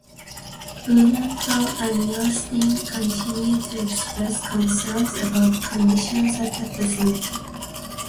Blumenthal and Milstein continued to express concerns about conditions at the facility.